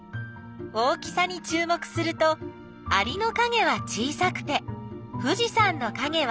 大きさにちゅう目するとアリのかげは小さくて富士山のかげは大きい。